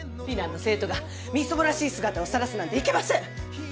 美南の生徒がみすぼらしい姿をさらすなんていけません！